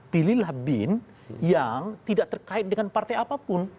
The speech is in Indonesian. pilihlah bin yang tidak terkait dengan partai apapun